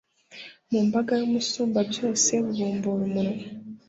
mu mbaga y'umusumbabyose bubumbura umunwa